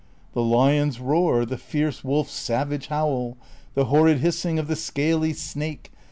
The lion's roar, the fierce wolf's savage howl, The horrid hissing of the scaly snake.